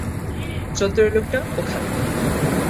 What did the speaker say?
চত্বরের লোকটা ওখানে।